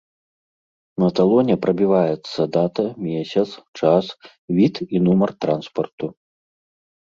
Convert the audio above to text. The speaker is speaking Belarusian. На талоне прабіваецца дата, месяц, час, від і нумар транспарту.